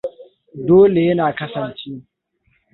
Dole yana kasance?